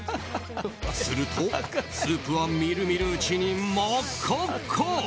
すると、スープはみるみるうちに真っ赤っか。